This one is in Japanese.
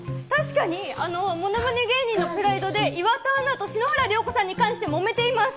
確かにものまね芸人のプライドで岩田アナと篠原涼子さんともめています。